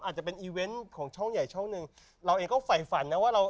อาจจะเป็นอีเวนต์ของช่องใหญ่ช่องหนึ่งเราเองก็ฝ่ายฝันนะว่าเรา